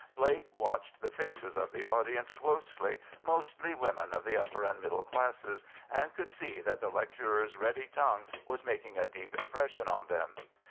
Blake watched the faces of the audience closely, mostly women of the upper and middle classes, and could see that the lecturer's ready tongue was making a deep impression on them.